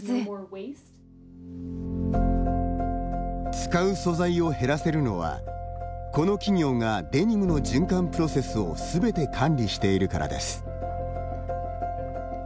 使う素材を減らせるのはこの企業がデニムの循環プロセスをすべて管理しているからです。